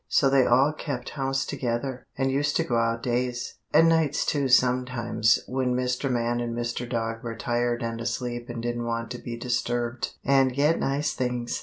So they all kept house together, and used to go out days (and nights, too, sometimes, when Mr. Man and Mr. Dog were tired and asleep and didn't want to be disturbed) and get nice things.